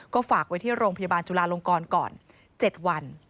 ก็ฝากไว้ที่โรงพยาบาลจุลาลงกรก่อน๗วัน